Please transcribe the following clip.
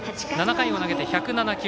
７回を投げて１０７球。